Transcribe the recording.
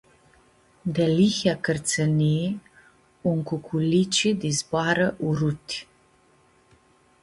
Delihea cãrtsãnii un cuculici di zboarã uruti.